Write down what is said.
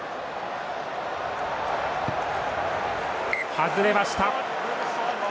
外れました。